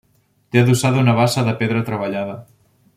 Té adossada una bassa de pedra treballada.